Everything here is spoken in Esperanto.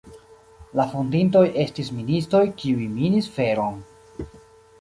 La fondintoj estis ministoj, kiuj minis feron.